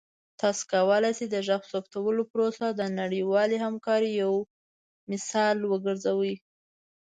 تاسو کولی شئ د غږ ثبتولو پروسه د نړیوالې همکارۍ یوه مثاله وګرځوئ.